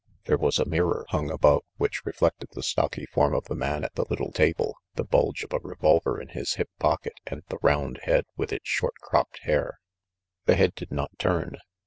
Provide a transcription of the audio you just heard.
There was a mirror hung above which reflected the stocky form of the man at the little table, the bulge of a revolver in his hip pocket, and the round head with its short cropped hair. The head did not turn.